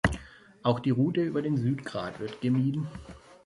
Auch die Route über den Südgrat wird gemieden.